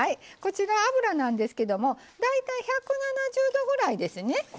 油なんですけども大体、１７０度くらいですね。